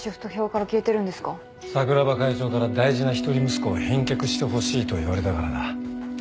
桜庭会長から大事な一人息子を返却してほしいと言われたからな。